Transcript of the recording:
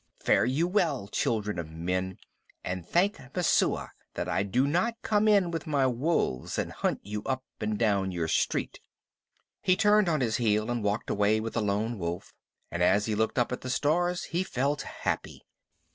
Fare you well, children of men, and thank Messua that I do not come in with my wolves and hunt you up and down your street." He turned on his heel and walked away with the Lone Wolf, and as he looked up at the stars he felt happy.